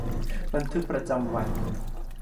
บันทึกประจำวัน